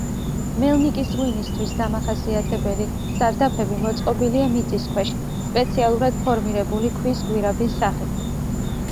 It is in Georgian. მელნიკის ღვინისთვის დამახასიათებელი სარდაფები მოწყობილია მიწის ქვეშ სპეციალურად ფორმირებული ქვის გვირაბის სახით.